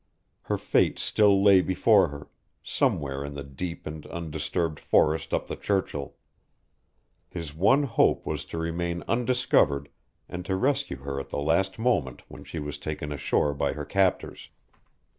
Her fate still lay before her, somewhere in the deep and undisturbed forests up the Churchill. His one hope was to remain undiscovered and to rescue her at the last moment when she was taken ashore by her captors.